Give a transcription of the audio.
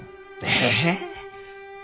ええ！